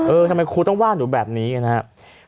ทำไมครูต้องว่าหนูแบบนี้นะครับ